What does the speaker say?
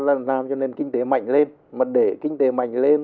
làm cho nên kinh tế mạnh lên